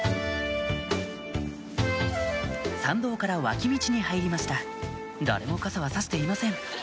参道から脇道に入りました誰も傘は差していません